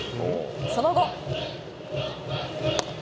その後。